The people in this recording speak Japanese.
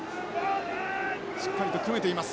しっかりと組めています。